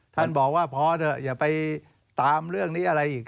ท่านบอกว่าพอเถอะอย่าไปตามเรื่องนี้อะไรอีก